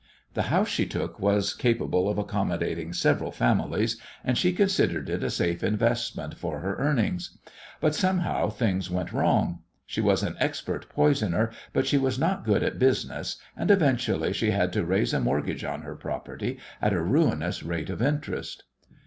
The house she took was capable of accommodating several families, and she considered it a safe investment for her "earnings." But somehow things went wrong. She was an expert poisoner, but she was not good at business, and eventually she had to raise a mortgage on her property at a ruinous rate of interest.